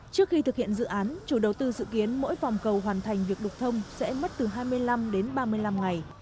trước khi thực hiện dự án chủ đầu tư dự kiến mỗi vòng cầu hoàn thành việc đục thông sẽ mất từ hai mươi năm đến ba mươi năm ngày